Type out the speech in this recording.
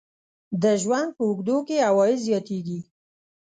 د ژوند په اوږدو کې عواید زیاتیږي.